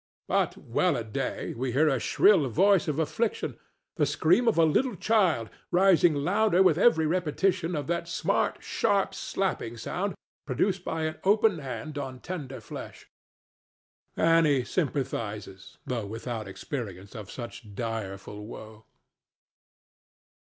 But, well a day, we hear a shrill voice of affliction—the scream of a little child, rising louder with every repetition of that smart, sharp, slapping sound produced by an open hand on tender flesh. Annie sympathizes, though without experience of such direful woe.